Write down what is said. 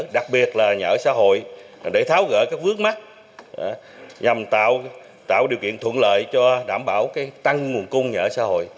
đặc biệt là nhà ở xã hội để tháo gỡ các vướng mắt nhằm tạo điều kiện thuận lợi cho đảm bảo tăng nguồn cung nhà ở xã hội